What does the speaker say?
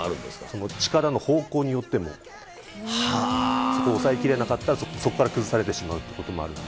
その力の方向によっても、そこをおさえきれなかったら、そこから崩されてしまうということもあるんで。